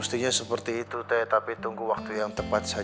mestinya seperti itu teh tapi tunggu waktu yang tepat saja ya